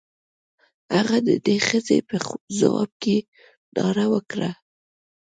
هغه د دې ښځې په ځواب کې ناره وکړه.